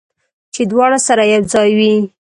چې دواړه سره یو ځای وي